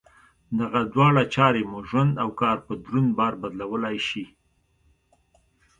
دغه دواړه چارې مو ژوند او کار په دروند بار بدلولای شي.